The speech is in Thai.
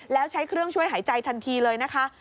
แล้วใช้เครื่องช่วยหายใจทันทีเลยนะคะ